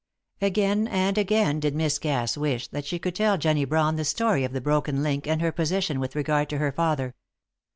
Again and again did Miss Cass wish that she could tell Jennie Brawn the story of the broken link and her position with regard to her father.